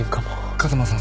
風間さん